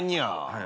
はい。